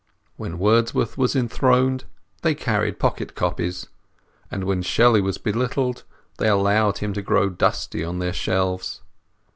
When Wordsworth was enthroned they carried pocket copies; and when Shelley was belittled they allowed him to grow dusty on their shelves.